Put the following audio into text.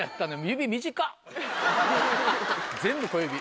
全部小指。